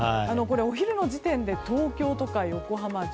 お昼の時点で東京とか横浜は１２度。